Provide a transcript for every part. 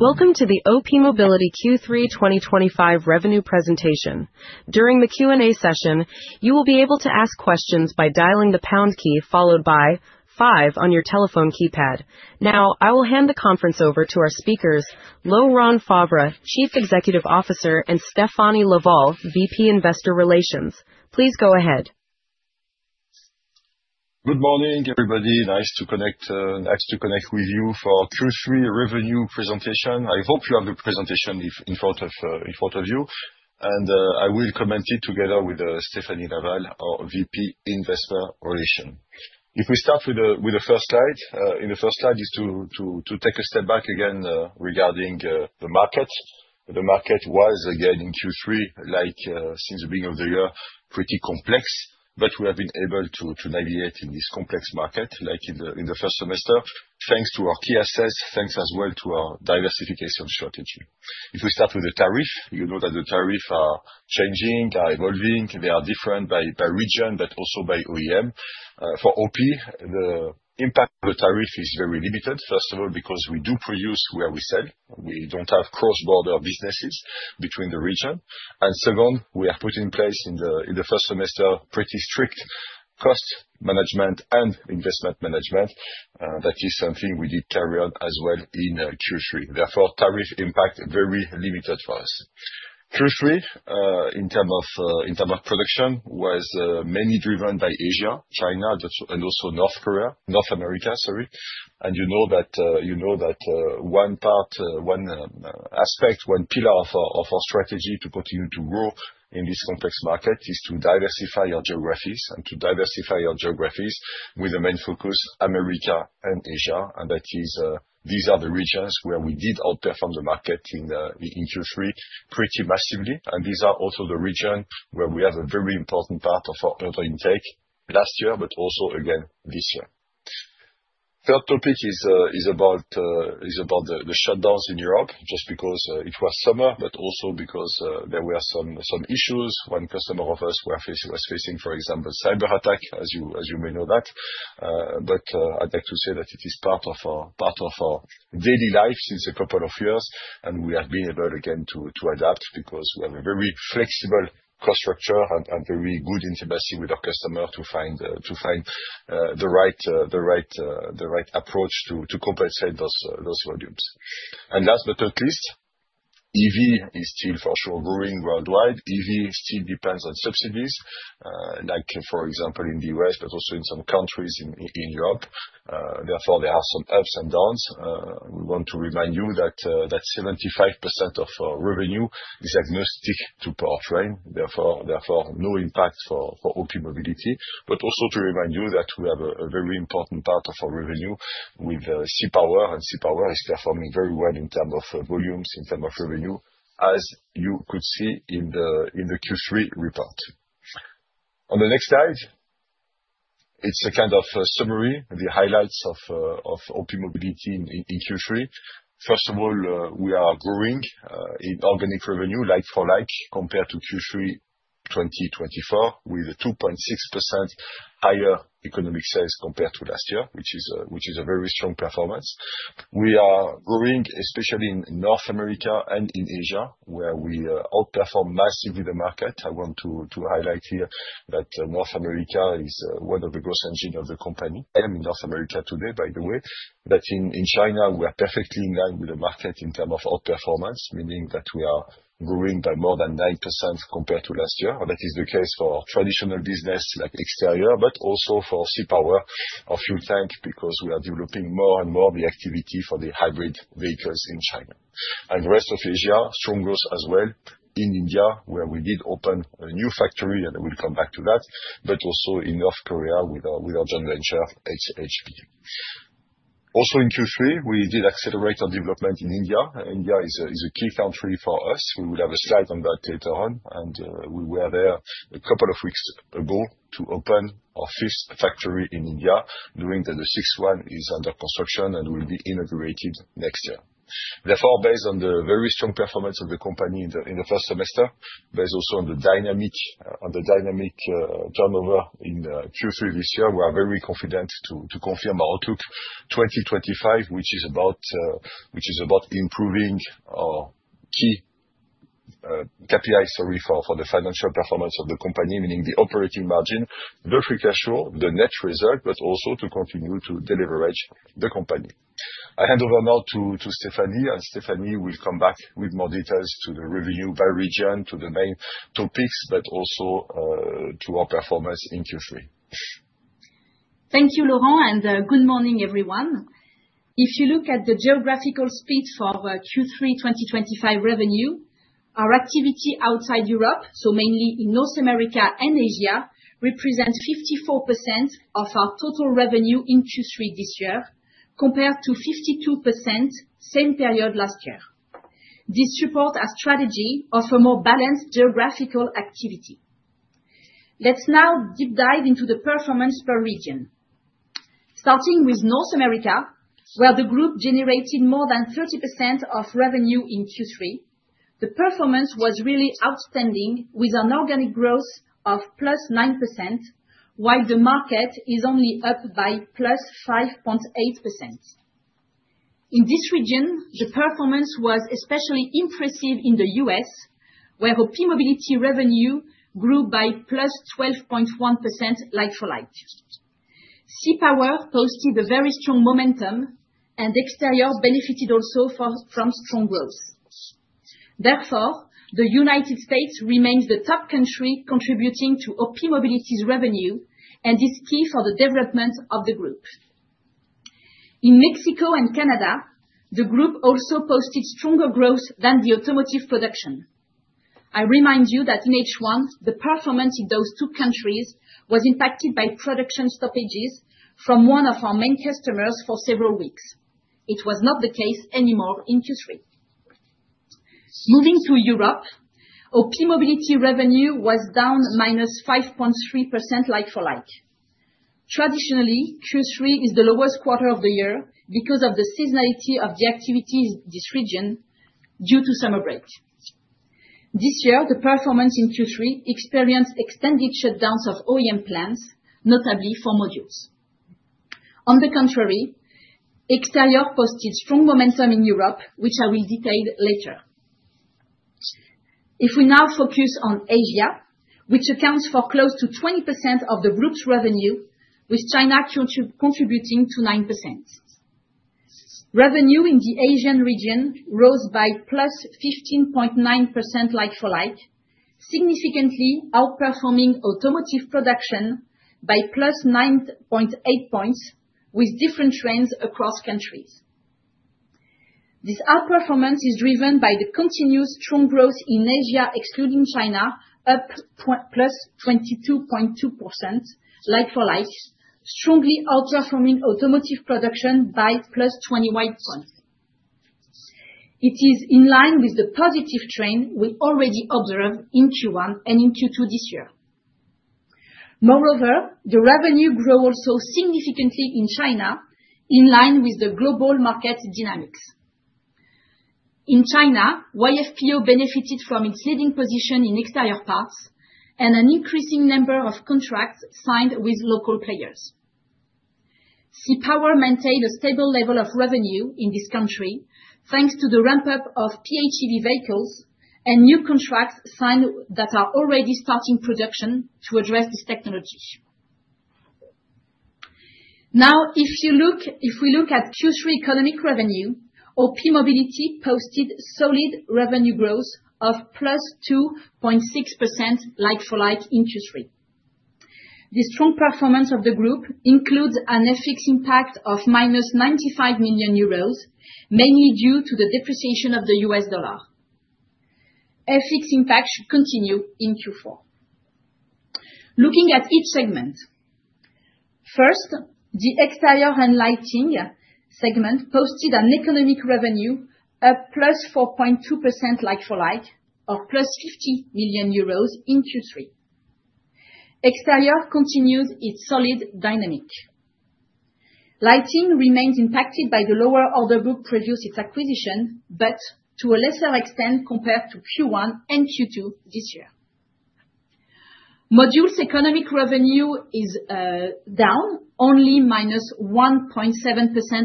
Welcome to the OPmobility Q3 2025 revenue presentation. During the Q&A session, you will be able to ask questions by dialing the pound key followed by five on your telephone keypad. Now, I will hand the conference over to our speakers, Laurent Favre, Chief Executive Officer, and Stéphanie Laval, VP Investor Relations. Please go ahead. Good morning, everybody. Nice to connect with you for our Q3 revenue presentation. I hope you have the presentation in front of you, and I will comment it together with Stéphanie Laval, our VP Investor Relations. If we start with the first slide, in the first slide, just to take a step back again regarding the market. The market was, again, in Q3, like since the beginning of the year, pretty complex, but we have been able to navigate in this complex market, like in the first semester, thanks to our key assets, thanks as well to our diversification strategy. If we start with the tariff, you know that the tariffs are changing, are evolving, they are different by region, but also by OEM. For OP, the impact of the tariff is very limited, first of all, because we do produce where we sell. We don't have cross-border businesses between the region. Second, we have put in place in the first semester pretty strict cost management and investment management. That is something we did carry on as well in Q3. Therefore, tariff impact very limited for us. Q3, in terms of production, was mainly driven by Asia, China, and also South Korea, North America, sorry. You know that one aspect, one pillar of our strategy to continue to grow in this complex market is to diversify our geographies and to diversify our geographies with a main focus on America and Asia. These are the regions where we did outperform the market in Q3 pretty massively. These are also the regions where we have a very important part of our intake last year, but also, again, this year. The third topic is about the shutdowns in Europe, just because it was summer, but also because there were some issues one customer of us was facing, for example, cyber attack, as you may know that. But I'd like to say that it is part of our daily life since a couple of years, and we have been able, again, to adapt because we have a very flexible cost structure and very good intimacy with our customer to find the right approach to compensate those volumes. And last but not least, EV is still, for sure, growing worldwide. EV still depends on subsidies, like for example, in the U.S., but also in some countries in Europe. Therefore, there are some ups and downs. We want to remind you that 75% of our revenue is agnostic to powertrain. Therefore, no impact for OPmobility. But also to remind you that we have a very important part of our revenue with C-Power, and C-Power is performing very well in terms of volumes, in terms of revenue, as you could see in the Q3 report. On the next slide, it's a kind of summary, the highlights of OPmobility in Q3. First of all, we are growing in organic revenue, like for like, compared to Q3 2024, with a 2.6% higher economic sales compared to last year, which is a very strong performance. We are growing, especially in North America and in Asia, where we outperform massively the market. I want to highlight here that North America is one of the growth engines of the company. I am in North America today, by the way. But in China, we are perfectly in line with the market in terms of our performance, meaning that we are growing by more than 9% compared to last year. That is the case for our traditional business, like exterior, but also for C-Power, our fuel tank, because we are developing more and more the activity for the hybrid vehicles in China. And the rest of Asia, strong growth as well in India, where we did open a new factory, and we'll come back to that, but also in South Korea with our joint venture, SHB. Also in Q3, we did accelerate our development in India. India is a key country for us. We will have a slide on that later on. And we were there a couple of weeks ago to open our fifth factory in India, knowing that the sixth one is under construction and will be inaugurated next year. Therefore, based on the very strong performance of the company in the first semester, based also on the dynamic turnover in Q3 this year, we are very confident to confirm our outlook 2025, which is about improving our key KPIs for the financial performance of the company, meaning the operating margin, the free cash flow, the net result, but also to continue to deleverage the company. I hand over now to Stéphanie, and Stéphanie will come back with more details to the revenue by region, to the main topics, but also to our performance in Q3. Thank you, Laurent, and good morning, everyone. If you look at the geographical split for Q3 2025 revenue, our activity outside Europe, so mainly in North America and Asia, represents 54% of our total revenue in Q3 this year, compared to 52% same period last year. This support our strategy of a more balanced geographical activity. Let's now deep dive into the performance per region. Starting with North America, where the group generated more than 30% of revenue in Q3, the performance was really outstanding with an organic growth of plus 9%, while the market is only up by plus 5.8%. In this region, the performance was especially impressive in the U.S., where OPmobility revenue grew by plus 12.1% like for like. C-Power posted a very strong momentum, and exteriors benefited also from strong growth. Therefore, the United States remains the top country contributing to OPmobility's revenue, and it's key for the development of the group. In Mexico and Canada, the group also posted stronger growth than the automotive production. I remind you that in H1, the performance in those two countries was impacted by production stoppages from one of our main customers for several weeks. It was not the case anymore in Q3. Moving to Europe, OPmobility revenue was down -5.3% like for like. Traditionally, Q3 is the lowest quarter of the year because of the seasonality of the activities in this region due to summer break. This year, the performance in Q3 experienced extended shutdowns of OEM plants, notably for modules. On the contrary, exteriors posted strong momentum in Europe, which I will detail later. If we now focus on Asia, which accounts for close to 20% of the group's revenue, with China contributing to 9%. Revenue in the Asian region rose by plus 15.9% like for like, significantly outperforming automotive production by plus 9.8 points, with different trends across countries. This outperformance is driven by the continuous strong growth in Asia, excluding China, up plus 22.2% like for like, strongly outperforming automotive production by plus 20 points. It is in line with the positive trend we already observed in Q1 and in Q2 this year. Moreover, the revenue grew also significantly in China, in line with the global market dynamics. In China, YFPO benefited from its leading position in exterior parts and an increasing number of contracts signed with local players. C-Power maintained a stable level of revenue in this country, thanks to the ramp-up of PHEV vehicles and new contracts signed that are already starting production to address this technology. Now, if we look at Q3 economic revenue, OPmobility posted solid revenue growth of plus 2.6% like for like in Q3. The strong performance of the group includes an FX impact of minus 95 million euros, mainly due to the depreciation of the U.S. dollar. FX impact should continue in Q4. Looking at each segment, first, the exterior and lighting segment posted an economic revenue of plus 4.2% like for like, or plus 50 million euros in Q3. Exterior continues its solid dynamic. Lighting remains impacted by the lower order book previous to its acquisition, but to a lesser extent compared to Q1 and Q2 this year. Modules' economic revenue is down, only minus 1.7%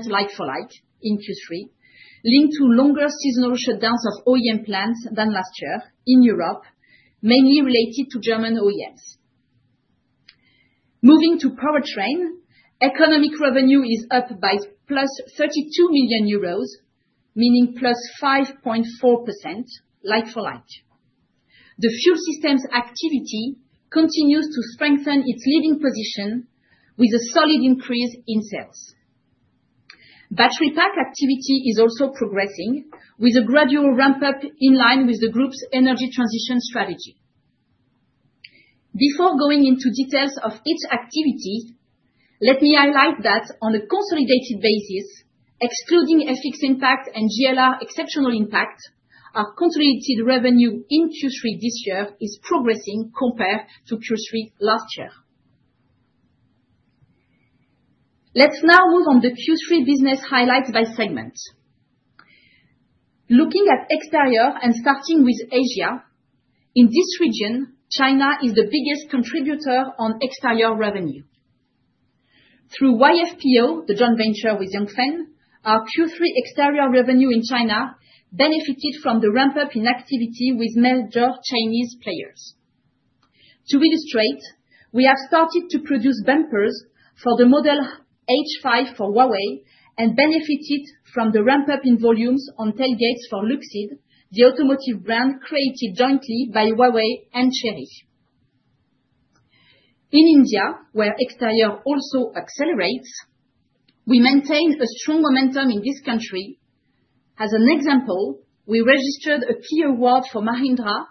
like for like in Q3, linked to longer seasonal shutdowns of OEM plants than last year in Europe, mainly related to German OEMs. Moving to powertrain, economic revenue is up by plus 32 million euros, meaning plus 5.4% like for like. The Fuel Systems activity continues to strengthen its leading position with a solid increase in sales. Battery Pack activity is also progressing with a gradual ramp-up in line with the group's energy transition strategy. Before going into details of each activity, let me highlight that on a consolidated basis, excluding FX impact and JLR exceptional impact, our consolidated revenue in Q3 this year is progressing compared to Q3 last year. Let's now move on to Q3 business highlights by segment. Looking at Exteriors and starting with Asia, in this region, China is the biggest contributor on Exteriors revenue. Through YFPO, the joint venture with Yanfeng, our Q3 exterior revenue in China benefited from the ramp-up in activity with major Chinese players. To illustrate, we have started to produce bumpers for the model H5 for Huawei and benefited from the ramp-up in volumes on tailgates for Luxeed, the automotive brand created jointly by Huawei and Chery. In India, where exterior also accelerates, we maintain a strong momentum in this country. As an example, we registered a key award for Mahindra,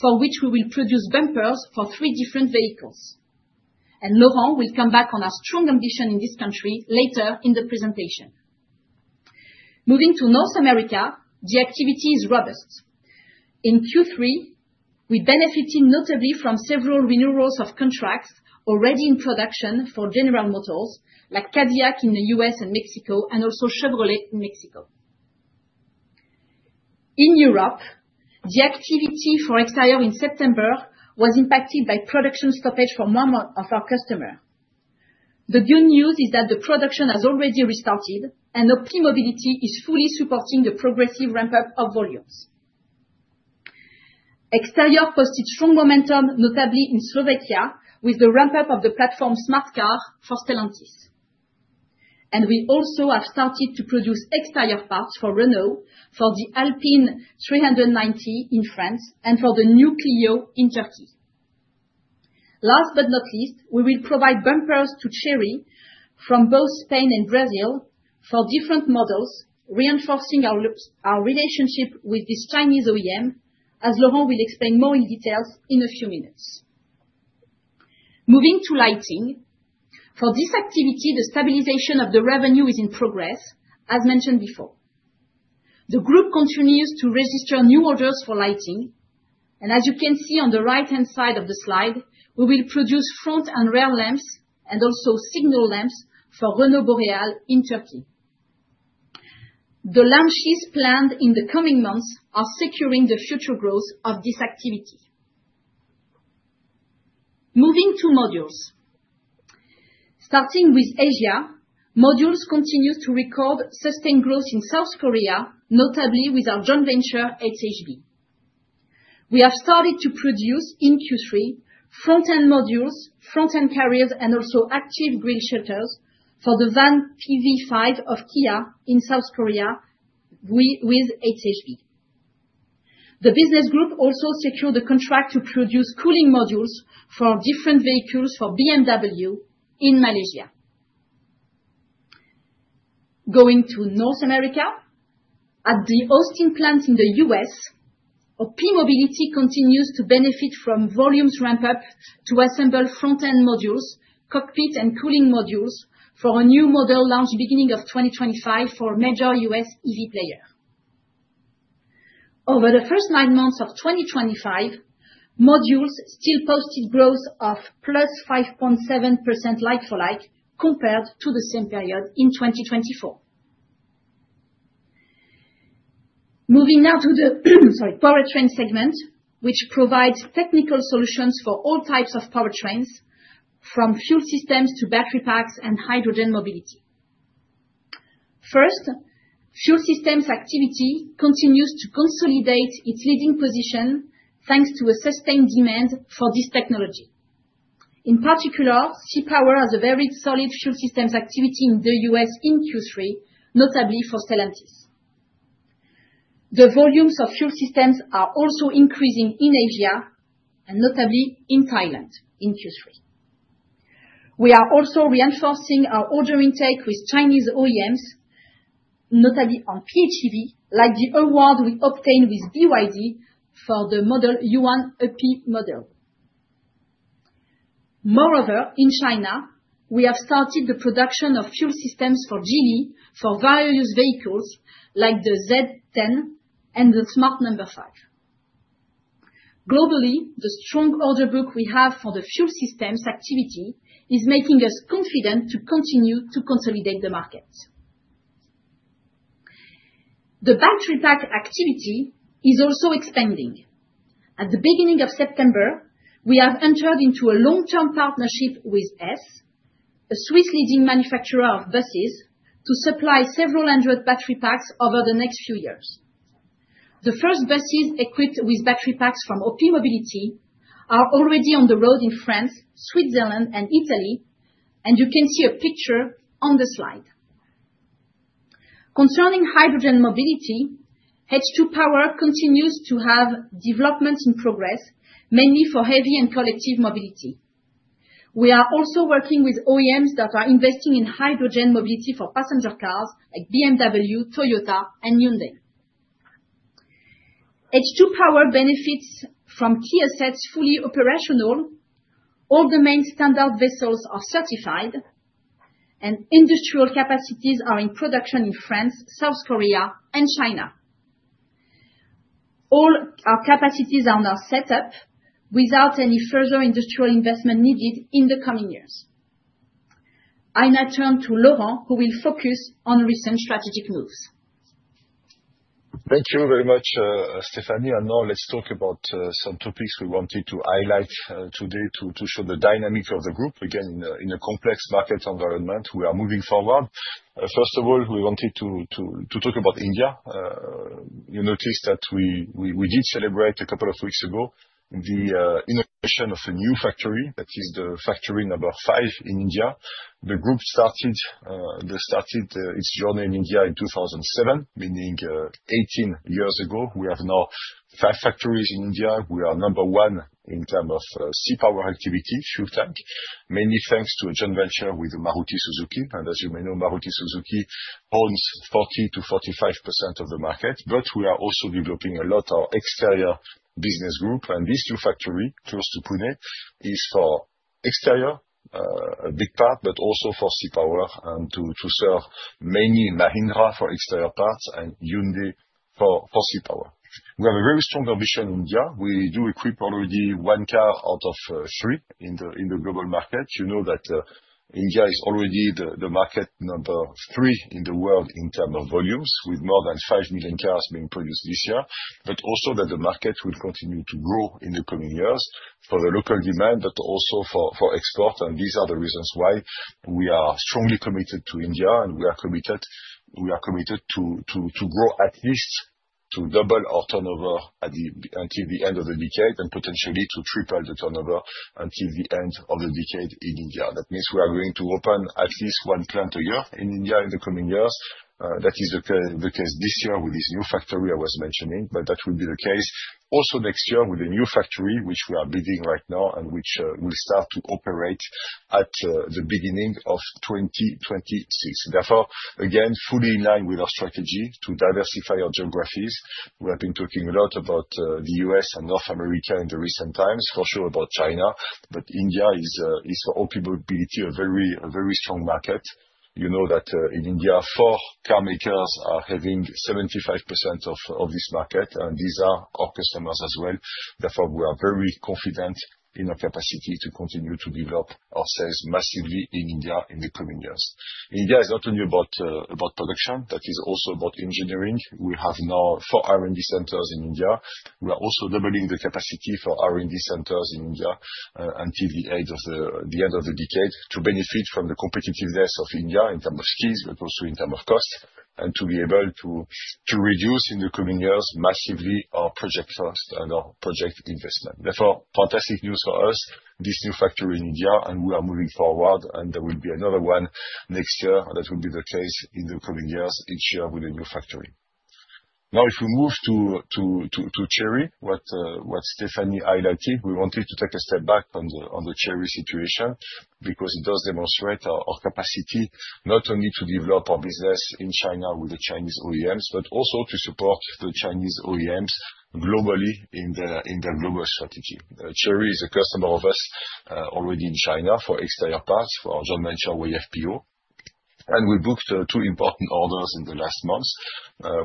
for which we will produce bumpers for three different vehicles. And Laurent will come back on our strong ambition in this country later in the presentation. Moving to North America, the activity is robust. In Q3, we benefited notably from several renewals of contracts already in production for General Motors, like Cadillac in the U.S. and Mexico, and also Chevrolet in Mexico. In Europe, the activity for Exteriors in September was impacted by production stoppage for one of our customers. The good news is that the production has already restarted, and OPmobility is fully supporting the progressive ramp-up of volumes. Exteriors posted strong momentum, notably in Slovakia, with the ramp-up of the platform Smart Car for Stellantis. And we also have started to produce exterior parts for Renault, for the Alpine A390 in France, and for the New Clio in Turkey. Last but not least, we will provide bumpers to Chery from both Spain and Brazil for different models, reinforcing our relationship with this Chinese OEM, as Laurent will explain more in detail in a few minutes. Moving to Lighting, for this activity, the stabilization of the revenue is in progress, as mentioned before. The group continues to register new orders for Lighting. And as you can see on the right-hand side of the slide, we will produce front and rear lamps and also signal lamps for Renault Boreal in Turkey. The launches planned in the coming months are securing the future growth of this activity. Moving to modules. Starting with Asia, modules continue to record sustained growth in South Korea, notably with our joint venture SHB. We have started to produce in Q3 front-end modules, front-end carriers, and also active grille shutters for the van PV5 of Kia in South Korea with SHB. The business group also secured a contract to produce cooling modules for different vehicles for BMW in Malaysia. Going to North America, at the Austin plant in the U.S., OPmobility continues to benefit from volumes ramp-up to assemble front-end modules, cockpit, and cooling modules for a new model launched beginning of 2025 for a major U.S. EV player. Over the first nine months of 2025, Modules still posted growth of plus 5.7% like for like compared to the same period in 2024. Moving now to the powertrain segment, which provides technical solutions for all types of powertrains, from fuel systems to battery packs and hydrogen mobility. First, fuel systems activity continues to consolidate its leading position thanks to a sustained demand for this technology. In particular, C-Power has a very solid fuel systems activity in the U.S. in Q3, notably for Stellantis. The volumes of fuel systems are also increasing in Asia, and notably in Thailand in Q3. We are also reinforcing our order intake with Chinese OEMs, notably on PHEV, like the award we obtained with BYD for the model Yuan Up model. Moreover, in China, we have started the production of fuel systems for Geely for various vehicles like the Z10 and the Smart 5. Globally, the strong order book we have for the fuel systems activity is making us confident to continue to consolidate the market. The battery pack activity is also expanding. At the beginning of September, we have entered into a long-term partnership with Hess, a Swiss leading manufacturer of buses, to supply several hundred battery packs over the next few years. The first buses equipped with battery packs from OPmobility are already on the road in France, Switzerland, and Italy, and you can see a picture on the slide. Concerning hydrogen mobility, H2-Power continues to have developments in progress, mainly for heavy and collective mobility. We are also working with OEMs that are investing in hydrogen mobility for passenger cars like BMW, Toyota, and Hyundai. H2-Power benefits from key assets fully operational. All the main standard vessels are certified, and industrial capacities are in production in France, South Korea, and China. All our capacities are on our setup without any further industrial investment needed in the coming years. I now turn to Laurent, who will focus on recent strategic moves. Thank you very much, Stéphanie. And now let's talk about some topics we wanted to highlight today to show the dynamic of the group. Again, in a complex market environment, we are moving forward. First of all, we wanted to talk about India. You noticed that we did celebrate a couple of weeks ago the inauguration of a new factory that is the Factory Number 5 in India. The group started its journey in India in 2007, meaning 18 years ago. We have now five factories in India. We are number one in terms of C-Power activity, fuel tank, mainly thanks to a joint venture with Maruti Suzuki. And as you may know, Maruti Suzuki owns 40%-45% of the market, but we are also developing a lot of Exteriors business group. And this new factory close to Pune is for Exteriors, a big part, but also for C-Power and to serve mainly Mahindra for Exteriors parts and Hyundai for C-Power. We have a very strong ambition in India. We do equip already one car out of three in the global market. You know that India is already the market number three in the world in terms of volumes, with more than 5 million cars being produced this year, but also that the market will continue to grow in the coming years for the local demand, but also for export. These are the reasons why we are strongly committed to India, and we are committed to grow at least to double our turnover until the end of the decade and potentially to triple the turnover until the end of the decade in India. That means we are going to open at least one plant a year in India in the coming years. That is the case this year with this new factory I was mentioning, but that will be the case also next year with a new factory which we are building right now and which will start to operate at the beginning of 2026. Therefore, again, fully in line with our strategy to diversify our geographies. We have been talking a lot about the U.S. and North America in the recent times, for sure about China, but India is for OPmobility a very strong market. You know that in India, four car makers are having 75% of this market, and these are our customers as well. Therefore, we are very confident in our capacity to continue to develop ourselves massively in India in the coming years. India is not only about production. That is also about engineering. We have now four R&D centers in India. We are also doubling the capacity for R&D centers in India until the end of the decade to benefit from the competitiveness of India in terms of skills, but also in terms of cost, and to be able to reduce in the coming years massively our project cost and our project investment. Therefore, fantastic news for us, this new factory in India, and we are moving forward, and there will be another one next year that will be the case in the coming years, each year with a new factory. Now, if we move to Chery, what Stéphanie highlighted, we wanted to take a step back on the Chery situation because it does demonstrate our capacity not only to develop our business in China with the Chinese OEMs, but also to support the Chinese OEMs globally in their global strategy. Chery is a customer of us already in China for exterior parts for our joint venture YFPO, and we booked two important orders in the last months,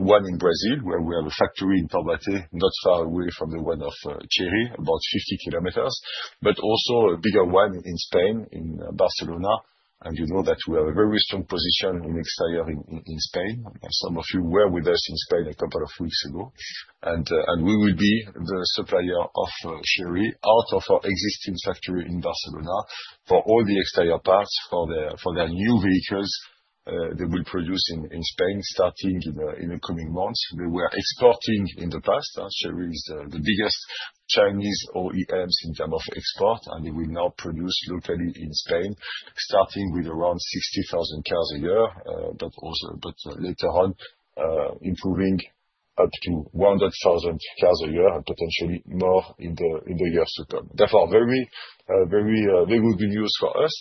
one in Brazil where we have a factory in Taubaté, not far away from the one of Chery, about 50 km, but also a bigger one in Spain, in Barcelona, and you know that we have a very strong position in exterior in Spain. Some of you were with us in Spain a couple of weeks ago, and we will be the supplier of Chery out of our existing factory in Barcelona for all the exterior parts for their new vehicles they will produce in Spain starting in the coming months. We were exporting in the past. Chery is the biggest Chinese OEMs in terms of export, and they will now produce locally in Spain, starting with around 60,000 cars a year, but later on improving up to 100,000 cars a year and potentially more in the years to come. Therefore, very good news for us.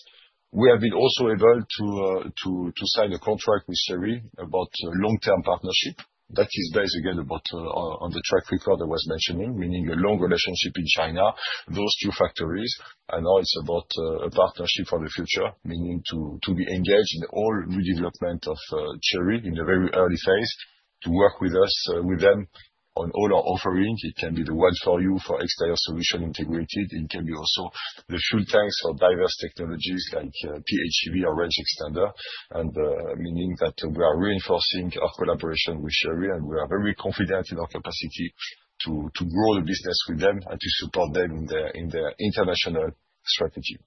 We have been also able to sign a contract with Chery about a long-term partnership. That is based, again, on the track record I was mentioning, meaning a long relationship in China, those two factories. And now it's about a partnership for the future, meaning to be engaged in all redevelopment of Chery in the very early phase, to work with them on all our offerings. It can be the one for you for exterior solution integrated. It can be also the fuel tanks for diverse technologies like PHEV or range extender, meaning that we are reinforcing our collaboration with Chery, and we are very confident in our capacity to grow the business with them and to support them in their international strategy.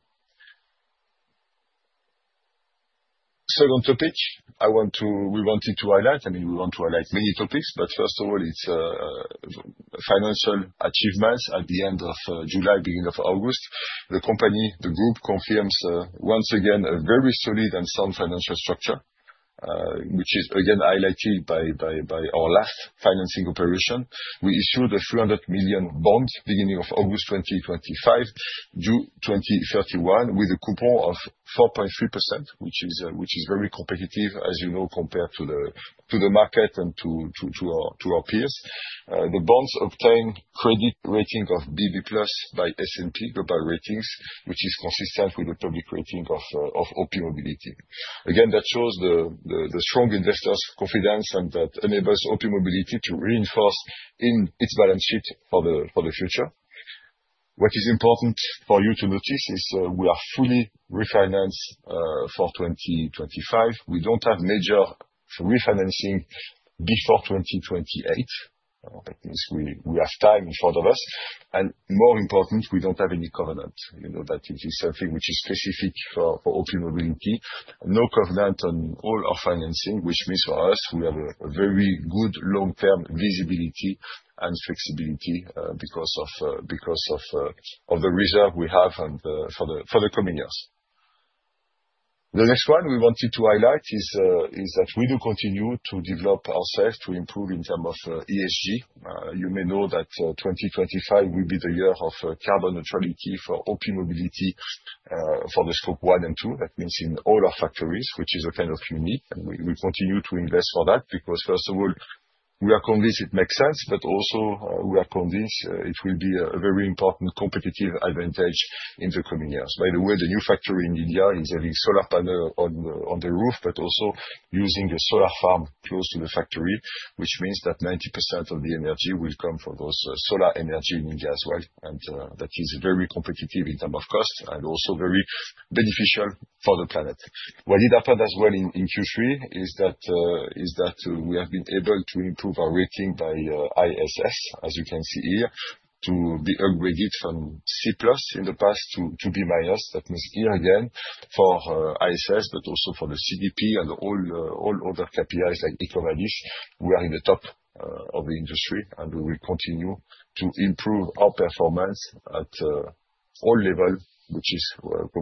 Second topic we wanted to highlight, I mean, we want to highlight many topics, but first of all, it's financial achievements at the end of July, beginning of August. The company, the group, confirms once again a very solid and sound financial structure, which is again highlighted by our last financing operation. We issued a 300 million bond beginning of August 2025, due 2031, with a coupon of 4.3%, which is very competitive, as you know, compared to the market and to our peers. The bonds obtain credit rating of BB plus by S&P Global Ratings, which is consistent with the public rating of OPmobility. Again, that shows the strong investors' confidence and that enables OPmobility to reinforce in its balance sheet for the future. What is important for you to notice is we are fully refinanced for 2025. We don't have major refinancing before 2028. That means we have time in front of us. And more important, we don't have any covenant. You know that it is something which is specific for OPmobility. No covenant on all our financing, which means for us, we have a very good long-term visibility and flexibility because of the reserve we have for the coming years. The next one we wanted to highlight is that we do continue to develop ourselves to improve in terms of ESG. You may know that 2025 will be the year of carbon neutrality for OPmobility for the Scope 1 and 2. That means in all our factories, which is a kind of unique. And we continue to invest for that because, first of all, we are convinced it makes sense, but also we are convinced it will be a very important competitive advantage in the coming years. By the way, the new factory in India is having solar panels on the roof, but also using a solar farm close to the factory, which means that 90% of the energy will come from those solar energy in India as well, and that is very competitive in terms of cost and also very beneficial for the planet. What did happen as well in Q3 is that we have been able to improve our rating by ISS, as you can see here, to be upgraded from C plus in the past to B minus. That means here again for ISS, but also for the CDP and all other KPIs like EcoVadis, we are in the top of the industry, and we will continue to improve our performance at all levels, which is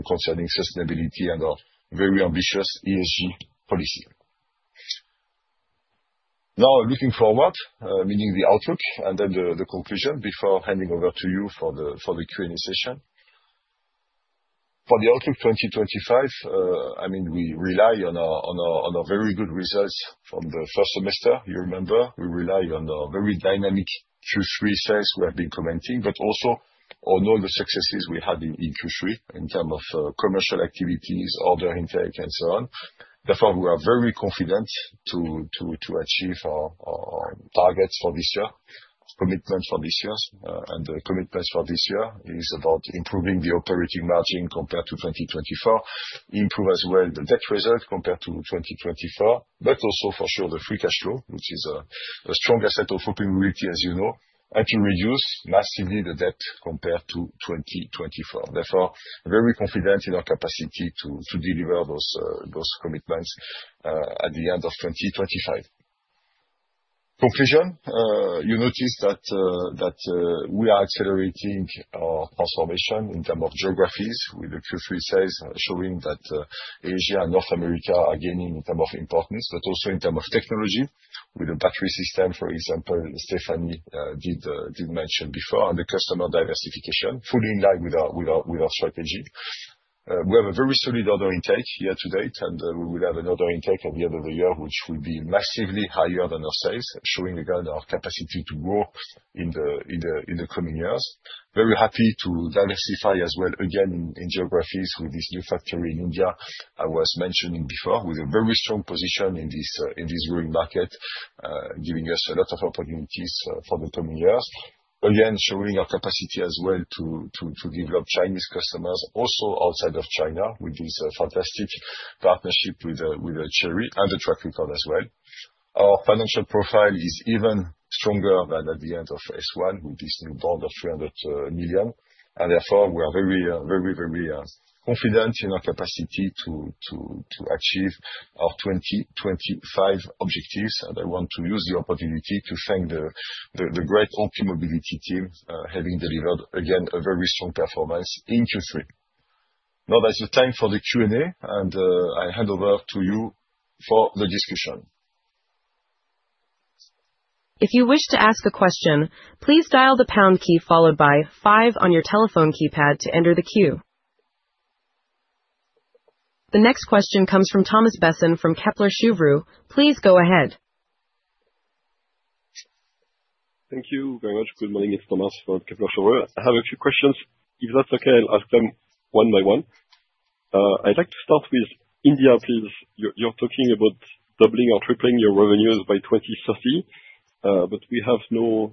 concerning sustainability and our very ambitious ESG policy. Now, looking forward, meaning the outlook and then the conclusion before handing over to you for the Q&A session. For the outlook 2025, I mean, we rely on our very good results from the first semester. You remember, we rely on a very dynamic Q3 sales we have been commenting, but also on all the successes we had in Q3 in terms of commercial activities, order intake, and so on. Therefore, we are very confident to achieve our targets for this year, commitments for this year, and the commitments for this year is about improving the operating margin compared to 2024, improving as well the debt result compared to 2024, but also for sure the free cash flow, which is a strong asset of OPmobility, as you know, and to reduce massively the debt compared to 2024. Therefore, very confident in our capacity to deliver those commitments at the end of 2025. Conclusion. You notice that we are accelerating our transformation in terms of geographies with the Q3 sales showing that Asia and North America are gaining in terms of importance, but also in terms of technology with the battery system, for example, Stéphanie did mention before, and the customer diversification, fully in line with our strategy. We have a very solid order intake year to date, and we will have an order intake at the end of the year, which will be massively higher than our sales, showing again our capacity to grow in the coming years. Very happy to diversify as well again in geographies with this new factory in India I was mentioning before, with a very strong position in this growing market, giving us a lot of opportunities for the coming years. Again, showing our capacity as well to develop Chinese customers also outside of China with this fantastic partnership with Chery and the track record as well. Our financial profile is even stronger than at the end of S1 with this new bond of 300 million. And therefore, we are very, very confident in our capacity to achieve our 2025 objectives. And I want to use the opportunity to thank the great OPmobility team having delivered, again, a very strong performance in Q3. Now, that's the time for the Q&A, and I hand over to you for the discussion. If you wish to ask a question, please dial the pound key followed by five on your telephone keypad to enter the queue. The next question comes from Thomas Besson from Kepler Cheuvreux. Please go ahead. Thank you very much. Good morning, it's Thomas from Kepler Cheuvreux. I have a few questions. If that's okay, I'll ask them one by one. I'd like to start with India, please. You're talking about doubling or tripling your revenues by 2030, but we have no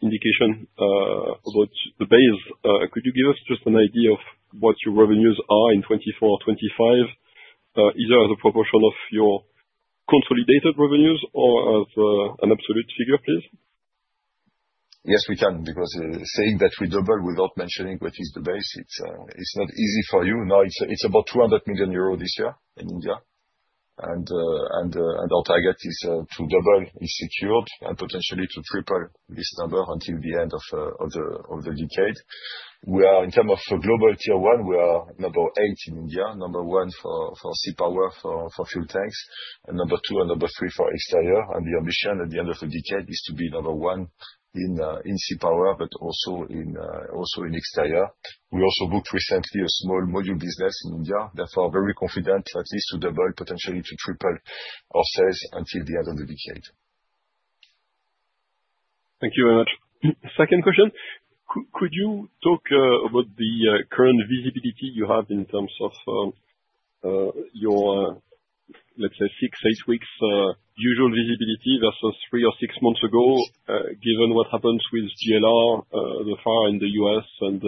indication about the base. Could you give us just an idea of what your revenues are in 2024, 2025, either as a proportion of your consolidated revenues or as an absolute figure, please? Yes, we can, because saying that we double without mentioning what is the base, it's not easy for you. Now, it's about 200 million euro this year in India. And our target is to double if secured and potentially to triple this number until the end of the decade. In terms of global Tier 1, we are number eight in India, number one for C-Power, for fuel tanks, and number two and number three for exteriors. And the ambition at the end of the decade is to be number one in C-Power, but also in exteriors. We also booked recently a small module business in India. Therefore, very confident at least to double, potentially to triple our sales until the end of the decade. Thank you very much. Second question, could you talk about the current visibility you have in terms of your, let's say, six, eight weeks usual visibility versus three or six months ago, given what happens with JLR, the tariff in the US and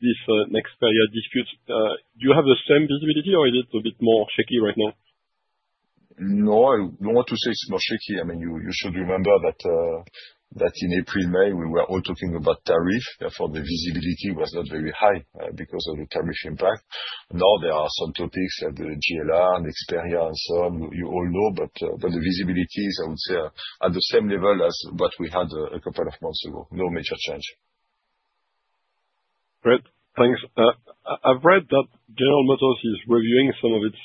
this Nexperia disputes? Do you have the same visibility or is it a bit more shaky right now? No, I don't want to say it's more shaky. I mean, you should remember that in April, May, we were all talking about tariff. Therefore, the visibility was not very high because of the tariff impact now, there are some topics like the JLR and Nexperia and so on, you all know, but the visibility is, I would say, at the same level as what we had a couple of months ago. No major change. Great. Thanks. I've read that General Motors is reviewing some of its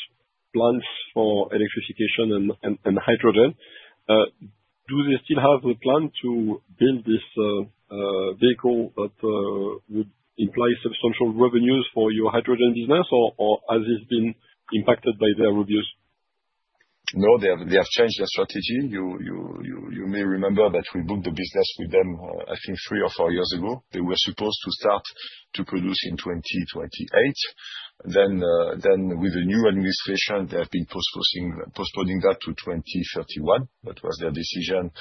plants for electrification and hydrogen. Do they still have the plan to build this vehicle that would imply substantial revenues for your hydrogen business, or has it been impacted by their reviews? No, they have changed their strategy. You may remember that we booked the business with them, I think, three or four years ago. They were supposed to start to produce in 2028. Then, with the new administration, they have been postponing that to 2031. That was their decision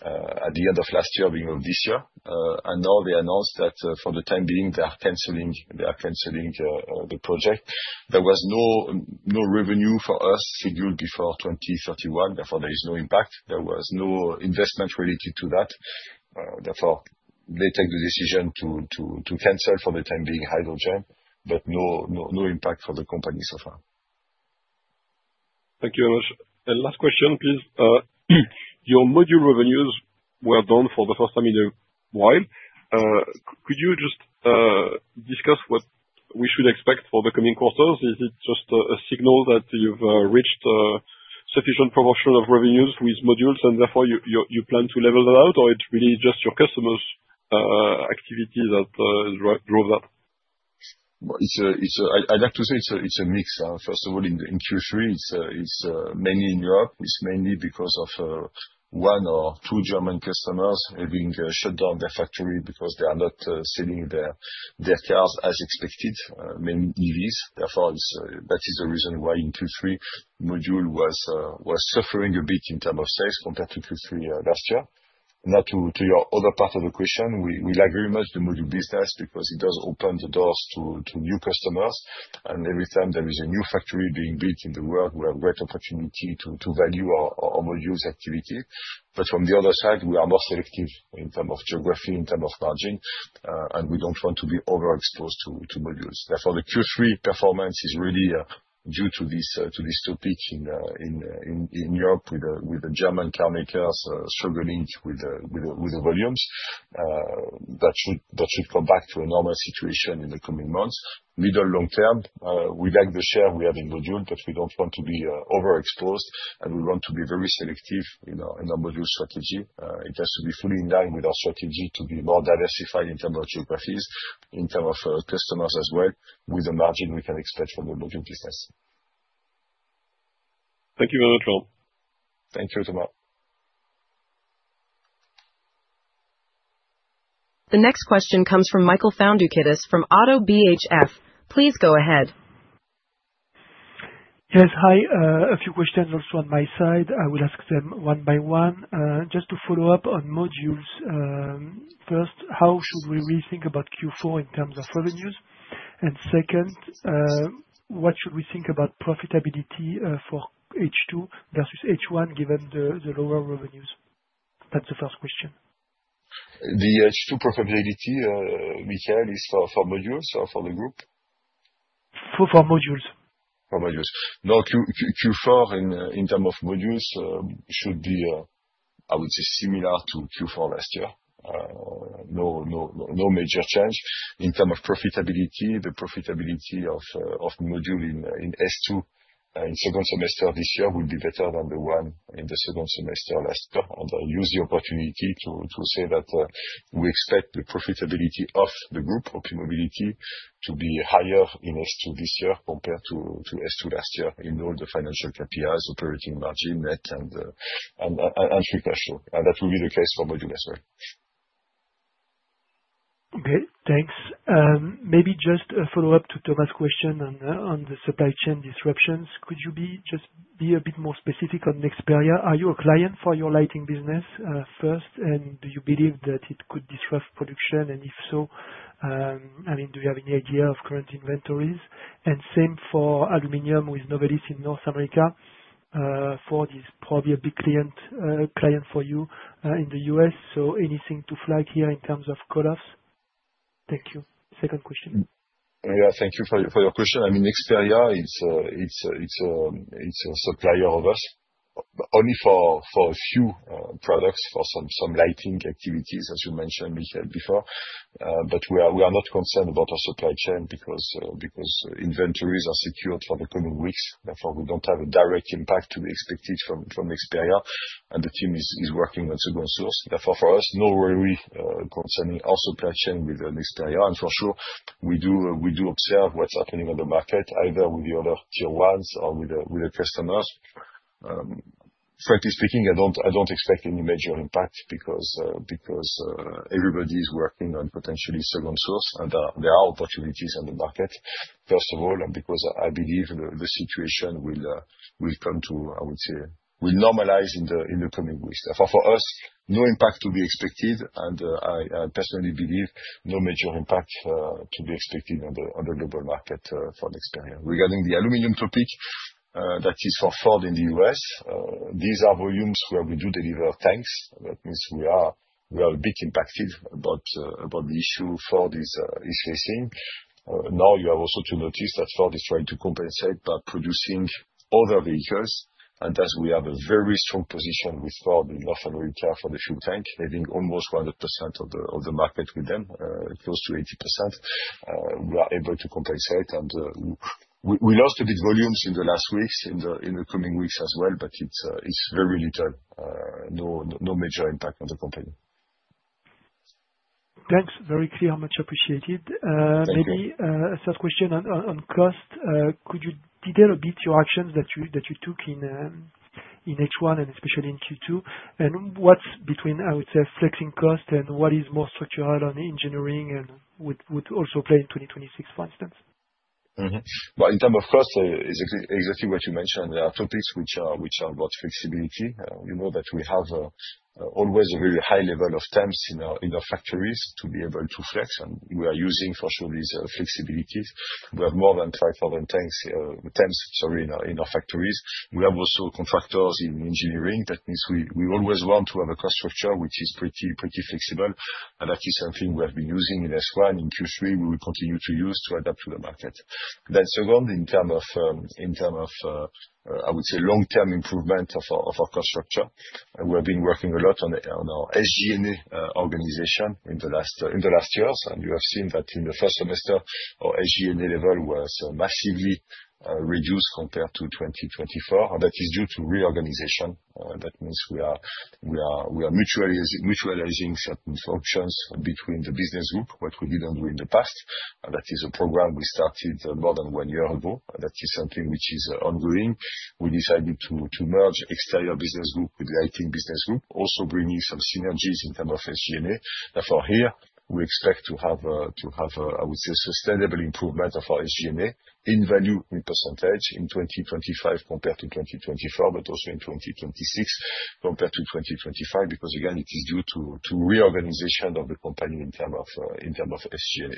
at the end of last year, beginning of this year. Now they announced that for the time being, they are canceling the project. There was no revenue for us scheduled before 2031. Therefore, there is no impact. There was no investment related to that. Therefore, they take the decision to cancel for the time being hydrogen, but no impact for the company so far. Thank you very much. Last question, please. Your module revenues were down for the first time in a while. Could you just discuss what we should expect for the coming quarters? Is it just a signal that you've reached sufficient proportion of revenues with modules, and therefore you plan to level that out, or it's really just your customers' activity that drove that? I'd like to say it's a mix. First of all, in Q3, it's mainly in Europe. It's mainly because of one or two German customers having shut down their factory because they are not selling their cars as expected, mainly EVs. Therefore, that is the reason why in Q3, module was suffering a bit in terms of sales compared to Q3 last year. Now, to your other part of the question, we like very much the module business because it does open the doors to new customers. And every time there is a new factory being built in the world, we have great opportunity to value our modules activity. But from the other side, we are more selective in terms of geography, in terms of margin, and we don't want to be overexposed to modules. Therefore, the Q3 performance is really due to this topic in Europe with the German carmakers struggling with the volumes. That should come back to a normal situation in the coming months. Middle long term, we like the share we have in module, but we don't want to be overexposed, and we want to be very selective in our module strategy. It has to be fully in line with our strategy to be more diversified in terms of geographies, in terms of customers as well, with the margin we can expect from the module business. Thank you very much, Laurent. Thank you as well. The next question comes from Michael Foundoukidis from ODDO BHF. Please go ahead. Yes, hi. A few questions also on my side. I will ask them one by one. Just to follow up on modules. First, how should we rethink about Q4 in terms of revenues? And second, what should we think about profitability for H2 versus H1 given the lower revenues? That's the first question. The H2 profitability, Michael, is for modules, for the group? For modules. For modules. No, Q4 in terms of modules should be, I would say, similar to Q4 last year. No major change. In terms of profitability, the profitability of module in S2 in second semester this year will be better than the one in the second semester last year. And I use the opportunity to say that we expect the profitability of the group, OPmobility, to be higher in S2 this year compared to S2 last year in all the financial KPIs, operating margin, net, and free cash flow. And that will be the case for module as well. Okay, thanks. Maybe just a follow-up to Thomas' question on the supply chain disruptions. Could you be just a bit more specific on Nexperia? Are you a client for your lighting business first, and do you believe that it could disrupt production? And if so, I mean, do you have any idea of current inventories? And same for aluminum with Novelis in North America. Ford is probably a big client for you in the US, so anything to flag here in terms of call-offs? Thank you. Second question. Yeah, thank you for your question. I mean, Nexperia is a supplier of us, only for a few products, for some lighting activities, as you mentioned, Michael, before. But we are not concerned about our supply chain because inventories are secured for the coming weeks. Therefore, we don't have a direct impact to be expected from Nexperia, and the team is working on a second source. Therefore, for us, no worry concerning our supply chain with Nexperia. And for sure, we do observe what's happening on the market, either with the other tier ones or with the customers. Frankly speaking, I don't expect any major impact because everybody is working on potentially second source, and there are opportunities on the market. First of all, because I believe the situation will come to, I would say, will normalize in the coming weeks. Therefore, for us, no impact to be expected, and I personally believe no major impact to be expected on the global market for Nexperia. Regarding the aluminum topic, that is for Ford in the U.S., these are volumes where we do deliver tanks. That means we are a bit impacted about the issue Ford is facing. Now, you have also to notice that Ford is trying to compensate by producing other vehicles, and thus we have a very strong position with Ford in North America for the fuel tank, having almost 100% of the market with them, close to 80%. We are able to compensate, and we lost a bit volumes in the last weeks, in the coming weeks as well, but it's very little, no major impact on the company. Thanks. Very clear, much appreciated. Maybe a third question on cost. Could you detail a bit your actions that you took in H1 and especially in Q2? And what's between, I would say, flexing cost and what is more structural on engineering and would also play in 2026, for instance? Well, in terms of cost, exactly what you mentioned, there are topics which are about flexibility. You know that we have always a very high level of temps in our factories to be able to flex, and we are using, for sure, these flexibilities. We have more than 5,000 temps, sorry, in our factories. We have also contractors in engineering. That means we always want to have a cost structure which is pretty flexible, and that is something we have been using in S1. In Q3, we will continue to use to adapt to the market, then second, in terms of, I would say, long-term improvement of our cost structure, we have been working a lot on our SG&A organization in the last years, and you have seen that in the first semester, our SG&A level was massively reduced compared to 2024. That is due to reorganization. That means we are mutualizing certain functions between the business group, what we didn't do in the past. That is a program we started more than one year ago. That is something which is ongoing. We decided to merge Exteriors business group with Lighting business group, also bringing some synergies in terms of SG&A. Therefore, here, we expect to have, I would say, a sustainable improvement of our SG&A in value, in percentage, in 2025 compared to 2024, but also in 2026 compared to 2025, because, again, it is due to reorganization of the company in terms of SG&A.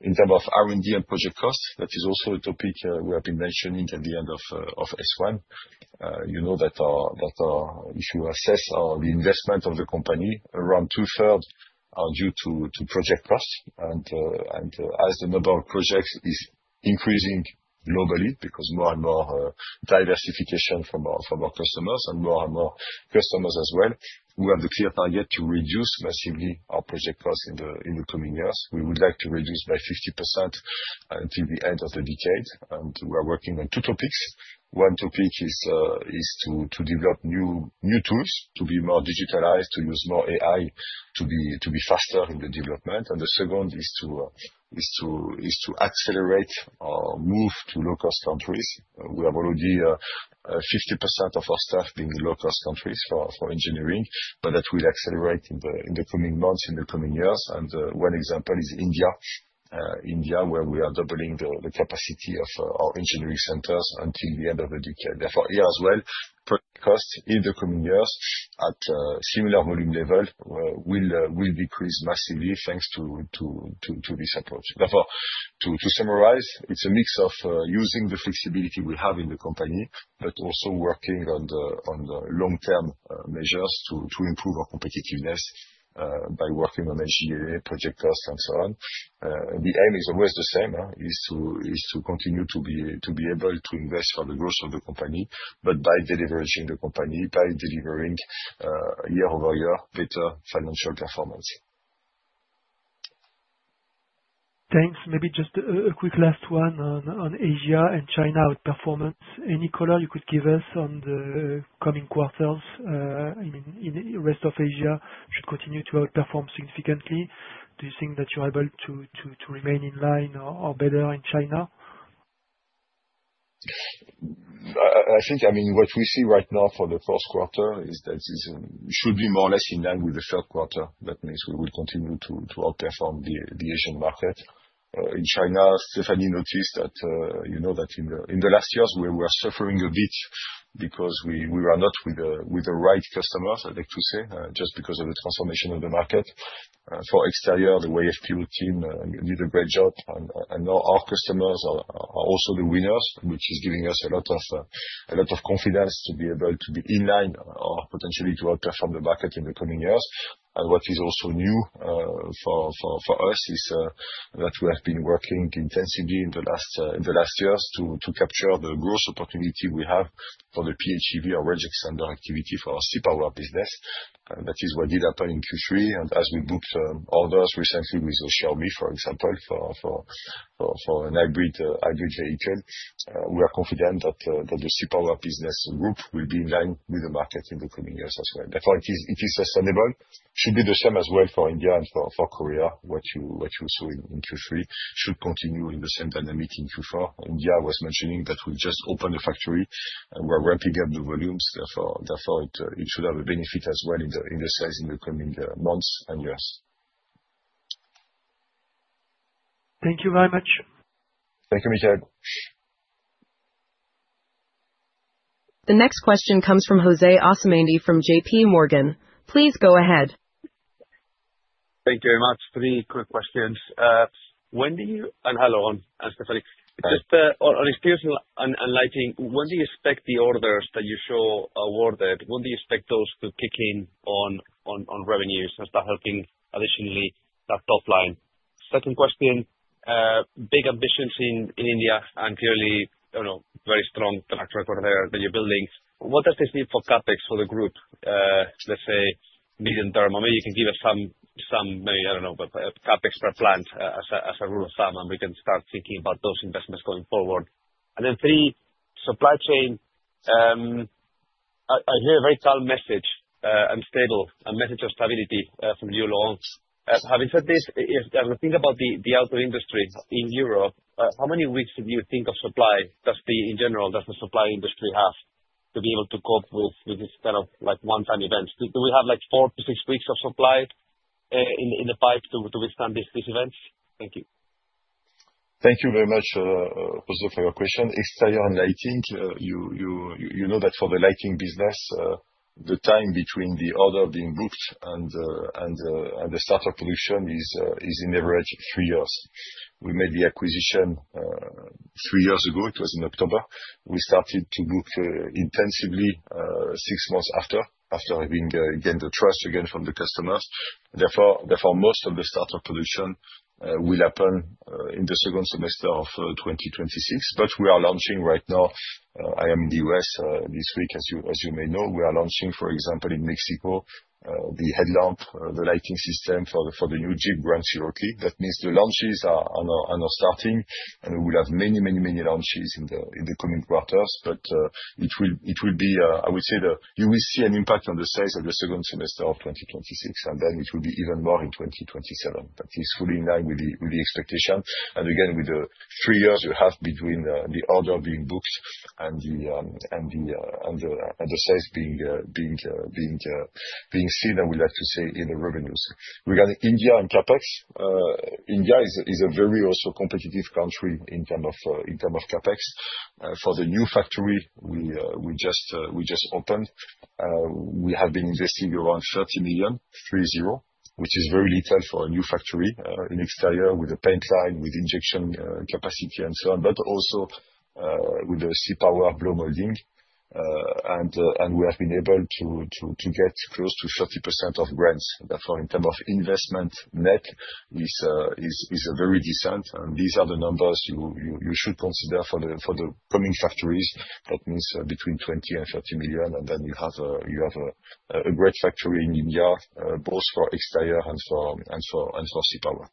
In terms of R&D and project cost, that is also a topic we have been mentioning at the end of S1. You know that if you assess the investment of the company, around two-thirds are due to project cost. And as the number of projects is increasing globally, because more and more diversification from our customers and more and more customers as well, we have the clear target to reduce massively our project cost in the coming years. We would like to reduce by 50% until the end of the decade. And we are working on two topics. One topic is to develop new tools, to be more digitalized, to use more AI, to be faster in the development. And the second is to accelerate or move to low-cost countries. We have already 50% of our staff being in low-cost countries for engineering, but that will accelerate in the coming months, in the coming years. And one example is India, where we are doubling the capacity of our engineering centers until the end of the decade. Therefore, here as well, project cost in the coming years at similar volume level will decrease massively thanks to this approach. Therefore, to summarize, it's a mix of using the flexibility we have in the company, but also working on the long-term measures to improve our competitiveness by working on SG&A, project cost, and so on. The aim is always the same, is to continue to be able to invest for the growth of the company, but by deleveraging the company, by delivering year over year better financial performance. Thanks. Maybe just a quick last one on Asia and China outperformance. Any color you could give us on the coming quarters? I mean, in the rest of Asia, should continue to outperform significantly. Do you think that you're able to remain in line or better in China? I think, I mean, what we see right now for the Q1 is that it should be more or less in line with the Q3. That means we will continue to outperform the Asian market. In China, Stéphanie noticed that in the last years, we were suffering a bit because we were not with the right customers, I'd like to say, just because of the transformation of the market. For exteriors, the YFPO team did a great job. And now our customers are also the winners, which is giving us a lot of confidence to be able to be in line or potentially to outperform the market in the coming years. And what is also new for us is that we have been working intensively in the last years to capture the growth opportunity we have for the PHEV or Range Extender activity for our C-Power business. That is what did happen in Q3. And as we booked orders recently with Xiaomi, for example, for an hybrid vehicle, we are confident that the C-Power business group will be in line with the market in the coming years as well. Therefore, it is sustainable. It should be the same as well for India and for Korea, what you saw in Q3. It should continue in the same dynamic in Q4. India was mentioning that we've just opened a factory and we're ramping up the volumes. Therefore, it should have a benefit as well in the sales in the coming months and years. Thank you very much. Thank you, Michael. The next question comes from Jose Asumendi from JPMorgan. Please go ahead. Thank you very much. Three quick questions. When do you, and hello, Laurent and Stéphanie. Just on exteriors and lighting, when do you expect the orders that you saw awarded? When do you expect those to kick in on revenues and start helping additionally that top line? Second question, big ambitions in India and clearly, I don't know, very strong track record there that you're building. What does this mean for CapEx for the group? Let's say medium term, maybe you can give us some, maybe, I don't know, CapEx per plant as a rule of thumb, and we can start thinking about those investments going forward. And then three, supply chain. I hear a very calm message and stable, a message of stability from you, Laurent. Having said this, as we think about the auto industry in Europe, how many weeks did you think of supply? In general, does the supply industry have to be able to cope with this kind of one-time events? Do we have four to six weeks of supply in the pipe to withstand these events? Thank you. Thank you very much, Jose, for your question. Exteriors and Lighting, you know that for the lighting business, the time between the order being booked and the startup production is, on average, three years. We made the acquisition three years ago. It was in October. We started to book intensively six months after, after having gained the trust again from the customers. Therefore, most of the startup production will happen in the second semester of 2026. But we are launching right now. I am in the U.S. this week, as you may know. We are launching, for example, in Mexico, the headlamp, the lighting system for the new Jeep Grand Cherokee. That means the launches are starting, and we will have many, many, many launches in the coming quarters. But it will be, I would say, you will see an impact on the sales of the second semester of 2026, and then it will be even more in 2027. That is fully in line with the expectation. And again, with the three years you have between the order being booked and the sales being seen, I would like to say, in the revenues. Regarding India and CapEx, India is a very also competitive country in terms of CapEx. For the new factory we just opened, we have been investing around 30 million, three-zero, which is very little for a new factory in exteriors with a paint line, with injection capacity, and so on, but also with the C-Power blow molding. And we have been able to get close to 30% of grants. Therefore, in terms of investment net, it is very decent. These are the numbers you should consider for the coming factories. That means between 20 and 30 million, and then you have a great factory in India, both for exterior and for C-Power.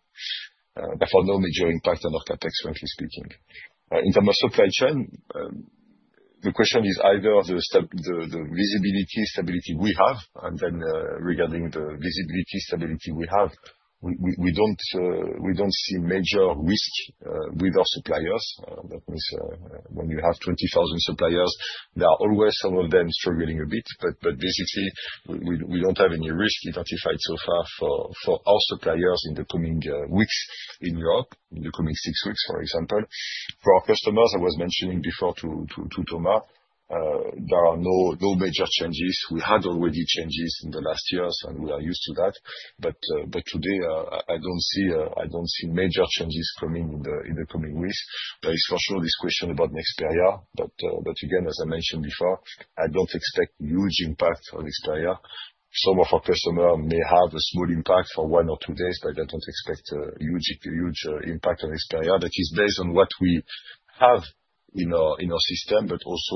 Therefore, no major impact on our CapEx, frankly speaking. In terms of supply chain, the question is either the visibility stability we have, and then regarding the visibility stability we have, we don't see major risk with our suppliers. That means when you have 20,000 suppliers, there are always some of them struggling a bit. But basically, we don't have any risk identified so far for our suppliers in the coming weeks in Europe, in the coming six weeks, for example. For our customers, I was mentioning before to Thomas, there are no major changes. We had already changes in the last years, and we are used to that. But today, I don't see major changes coming in the coming weeks. There is, for sure, this question about Nexperia, but again, as I mentioned before, I don't expect huge impact on Nexperia. Some of our customers may have a small impact for one or two days, but I don't expect huge impact on Nexperia. That is based on what we have in our system, but also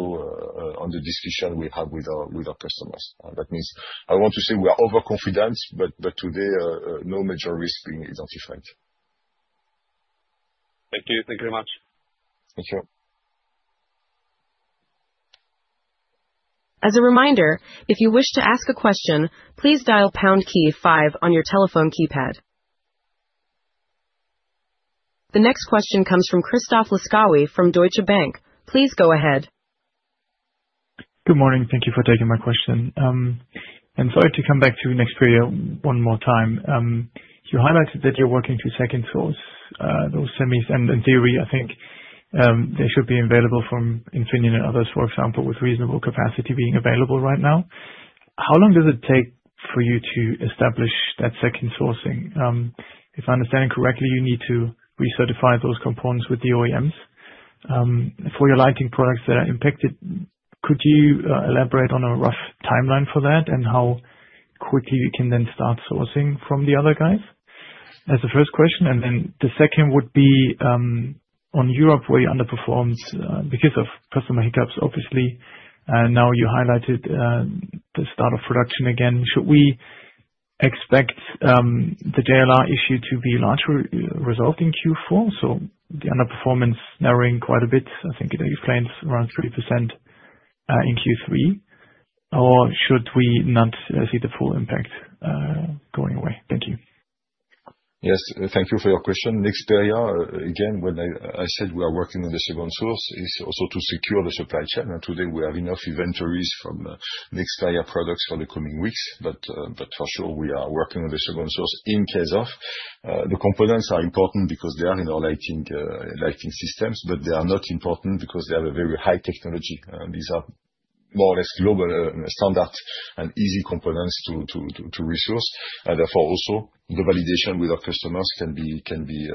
on the discussion we have with our customers. That means I want to say we are overconfident, but today, no major risk being identified. Thank you. Thank you very much. Thank you. As a reminder, if you wish to ask a question, please dial Poundkey 5 on your telephone keypad. The next question comes from Christoph Laskawi from Deutsche Bank. Please go ahead. Good morning. Thank you for taking my question. And sorry to come back to Nexperia one more time. You highlighted that you're working through second source, those semis, and in theory, I think they should be available from Infineon and others, for example, with reasonable capacity being available right now. How long does it take for you to establish that second sourcing? If I'm understanding correctly, you need to recertify those components with the OEMs. For your lighting products that are impacted, could you elaborate on a rough timeline for that and how quickly you can then start sourcing from the other guys? That's the first question, and then the second would be on Europe, where you underperformed because of customer hiccups, obviously, and now you highlighted the start of production again. Should we expect the JLR issue to be largely resolved in Q4, so the underperformance narrowing quite a bit? I think it explains around 30% in Q3. Or should we not see the full impact going away? Thank you. Yes, thank you for your question. Nexperia, again, when I said we are working on the second source, it's also to secure the supply chain. And today, we have enough inventories from Nexperia products for the coming weeks. But for sure, we are working on the second source in Krušovce. The components are important because they are in our lighting systems, but they are not important because they have a very high technology. These are more or less global standards and easy components to resource. And therefore, also, the validation with our customers can be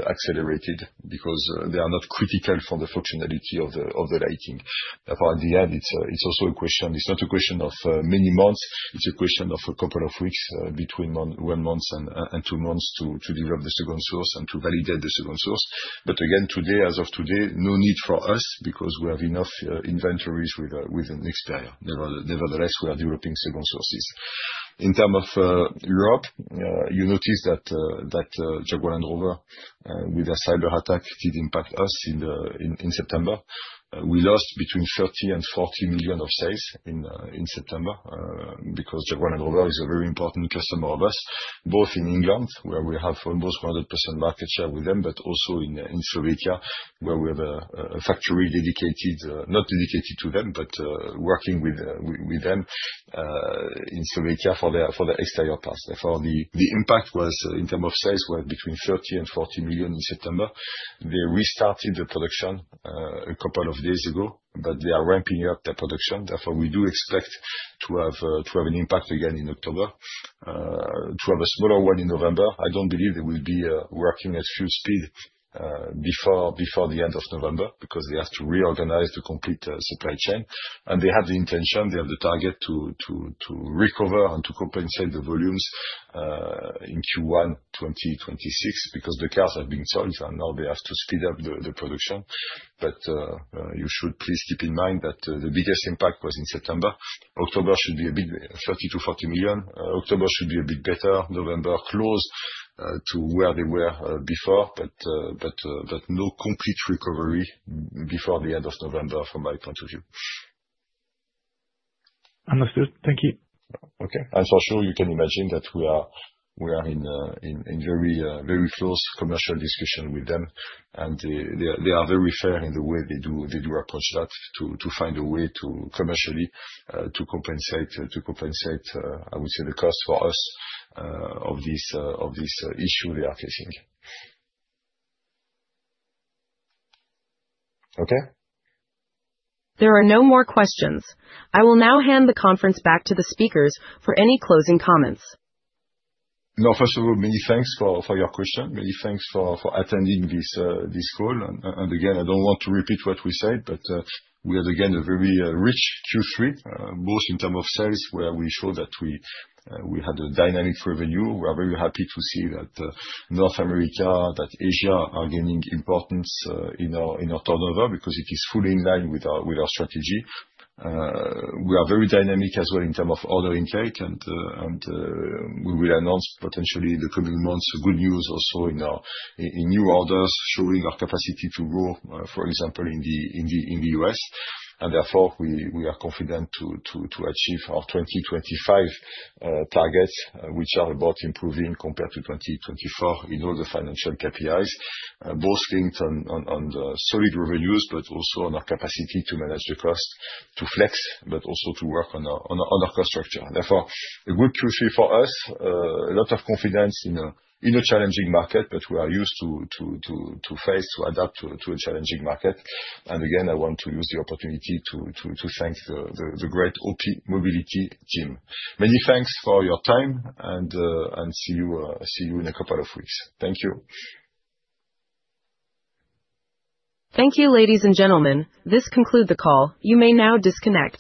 accelerated because they are not critical for the functionality of the lighting. Therefore, at the end, it's also a question. It's not a question of many months. It's a question of a couple of weeks, between one month and two months, to develop the second source and to validate the second source. But again, today, as of today, no need for us because we have enough inventories with Nexperia. Nevertheless, we are developing second sources. In terms of Europe, you notice that Jaguar Land Rover, with their cyber attack, did impact us in September. We lost between 30 million and 40 million of sales in September because Jaguar Land Rover is a very important customer of us, both in England, where we have almost 100% market share with them, but also in Slovakia, where we have a factory dedicated, not dedicated to them, but working with them in Slovakia for the exterior parts. Therefore, the impact was, in terms of sales, was between 30 million and 40 million in September. They restarted the production a couple of days ago, but they are ramping up their production. Therefore, we do expect to have an impact again in October, to have a smaller one in November. I don't believe they will be working at full speed before the end of November because they have to reorganize the complete supply chain. And they have the intention; they have the target to recover and to compensate the volumes in Q1 2026 because the cars have been sold, and now they have to speed up the production. But you should please keep in mind that the biggest impact was in September. October should be a bit 30-40 million. October should be a bit better. November close to where they were before, but no complete recovery before the end of November from my point of view. Understood. Thank you. Okay. And for sure, you can imagine that we are in very close commercial discussion with them. And they are very fair in the way they do approach that, to find a way to commercially compensate, I would say, the cost for us of this issue they are facing. Okay. There are no more questions. I will now hand the conference back to the speakers for any closing comments. No, first of all, many thanks for your question. Many thanks for attending this call. And again, I don't want to repeat what we said, but we had, again, a very rich Q3, both in terms of sales, where we showed that we had a dynamic revenue. We are very happy to see that North America, that Asia are gaining importance in our turnover because it is fully in line with our strategy. We are very dynamic as well in terms of order intake, and we will announce potentially in the coming months good news also in new orders showing our capacity to grow, for example, in the US. And therefore, we are confident to achieve our 2025 targets, which are about improving compared to 2024 in all the financial KPIs, both linked on solid revenues, but also on our capacity to manage the cost, to flex, but also to work on our cost structure. Therefore, a good Q3 for us, a lot of confidence in a challenging market, but we are used to face, to adapt to a challenging market. And again, I want to use the opportunity to thank the great OPmobility team. Many thanks for your time, and see you in a couple of weeks. Thank you. Thank you, ladies and gentlemen. This concludes the call. You may now disconnect.